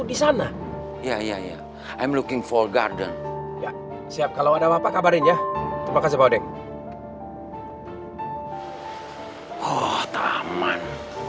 di sana ya iya ya m looking for garden ya siap kalau ada apa kabarin ya terima kasih pak odeng oh taman